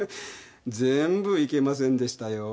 全部いけませんでしたよ。